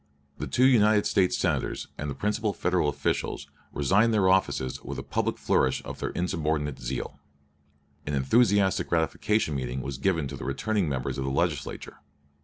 The two United States Senators and the principal Federal officials resigned their offices with a public flourish of their insubordinate zeal. An enthusiastic ratification meeting was given to the returning members of the Legislature.